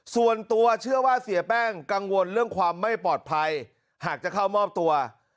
ส่วนตัวเชื่อว่าเสียแป้งกังวลเรื่องความไม่ปลอดภัยหากจะเข้ามอบตัว